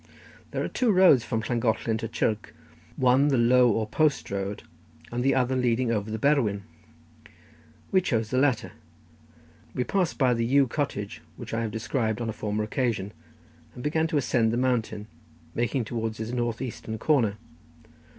There are two roads from Llangollen to Chirk, one the low or post road, and the other leading over the Berwyn. We chose the latter. We passed by the Yew cottage, which I have described on a former occasion, and began to ascend the mountain, making towards its north eastern corner.